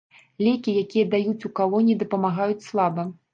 Лекі, якія даюць у калоніі, дапамагаюць слаба.